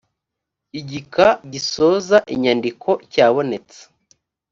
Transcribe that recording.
igika gisoza inyandiko cyabonetse.